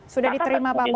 sudah diterima pak roy